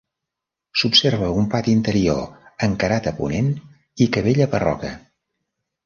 S'observa un pati interior encarat a ponent i capella barroca.